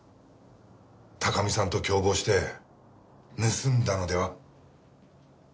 高見さんと共謀して盗んだのでは？